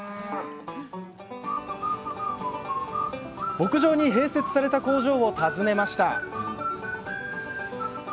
牧場に併設された工場を訪ねました